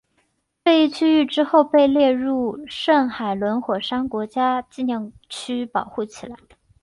这一区域之后被列入圣海伦火山国家纪念区保护起来。